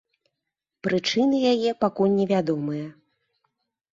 Прычыны яе пакуль невядомыя.